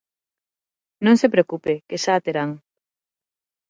Non se preocupe, que xa a terán.